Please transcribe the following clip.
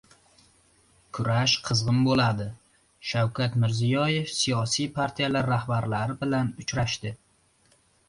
«Kurash qizg‘in bo‘ladi». Shavkat Mirziyoyev siyosiy partiyalar rahbarlari bilan uchrashdi